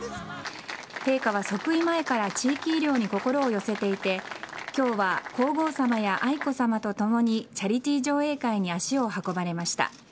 陛下は即位前から地域医療に心を寄せていて今日は皇后さまや愛子さまとともにチャリティー上映会に足を運ばれました。